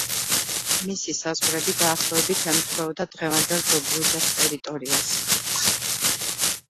მისი საზღვრები დაახლოებით ემთხვეოდა დღევანდელ დობრუჯას ტერიტორიას.